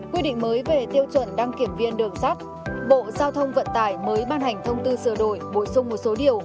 quy định mới về tiêu chuẩn đăng kiểm viên đường sắt bộ giao thông vận tải mới ban hành thông tư sửa đổi bổ sung một số điều